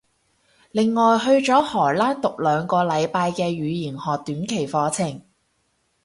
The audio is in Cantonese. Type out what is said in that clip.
另外去咗荷蘭讀兩個禮拜嘅語言學短期課程